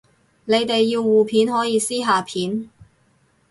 你哋要互片可以私下片